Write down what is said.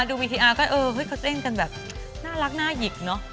ดูวีทีอาร์ก็เองกันแบบน่ารักหน้าหยิกเนอะ